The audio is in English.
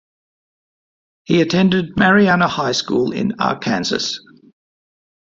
He attended Marianna High School in Arkansas.